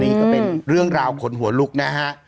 นี่ก็เป็นเรื่องราวขนหัวลุกนะฮะ